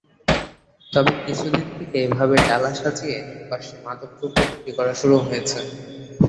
তবে কিছুদিন থেকে এভাবে ডালা সাজিয়ে প্রকাশ্যে মাদক দ্রব্য বিক্রি শুরু হয়েছে।